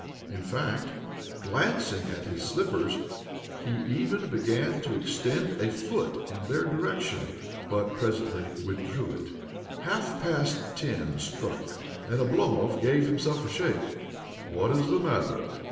In fact, glancing at his slippers, he even began to extend a foot in their direction, but presently withdrew it. Half past ten struck, and O'blomov gave himself a shake. "What is the matter?"